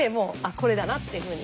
これだなっていうふうに。